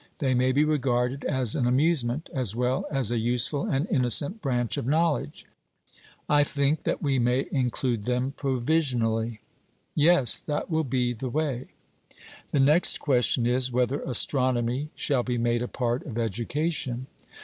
They may be regarded as an amusement, as well as a useful and innocent branch of knowledge; I think that we may include them provisionally. 'Yes; that will be the way.' The next question is, whether astronomy shall be made a part of education.